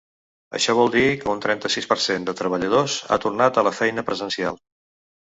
Això vol dir que un trenta-sis per cent de treballadors ha tornat a la feina presencial.